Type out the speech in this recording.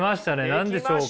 何でしょうか？